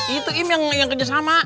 itu im yang kerjasama